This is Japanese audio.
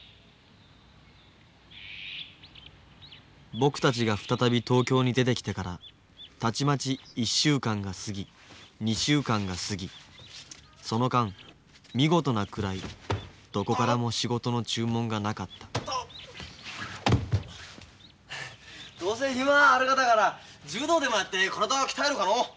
僕たちが再び東京に出てきてからたちまち１週間が過ぎ２週間が過ぎその間見事なくらいどこからも仕事の注文がなかったどうせ暇あるがだから柔道でもやって体鍛えるかの。